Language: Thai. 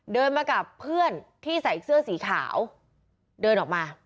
เดินมากับเพื่อนที่ใส่เสื้อสีขาวเดินออกมา